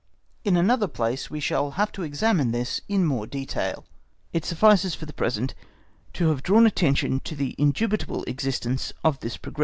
In another place we shall have to examine this more in detail; it suffices for the present to have drawn attention to the indubitable existence of this progression.